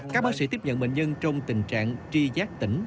các bác sĩ tiếp nhận bệnh nhân trong tình trạng tri giác tỉnh